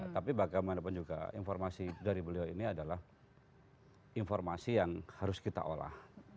tapi bagaimanapun juga informasi dari beliau ini adalah informasi yang harus kita olah